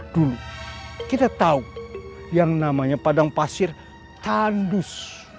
dulu kita tahu yang namanya padang pasir tandus